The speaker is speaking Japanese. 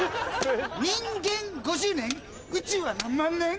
人間５０年宇宙は何万年？